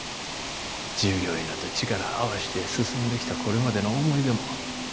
従業員らと力合わして進んできたこれまでの思い出も。